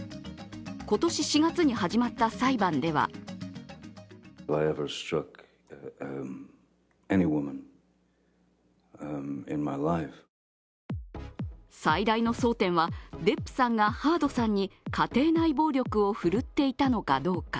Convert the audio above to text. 今年４月に始まった裁判では最大の争点はデップさんがハードさんに家庭内暴力を振るっていたのかどうか。